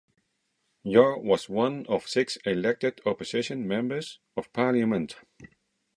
Yaw was one of six elected opposition Members of Parliament.